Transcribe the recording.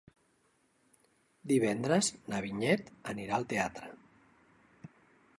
Divendres na Vinyet anirà al teatre.